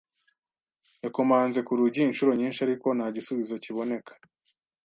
Yakomanze ku rugi inshuro nyinshi, ariko nta gisubizo kiboneka